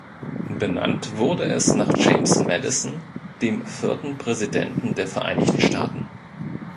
Benannt wurde es nach James Madison, dem vierten Präsidenten der Vereinigten Staaten.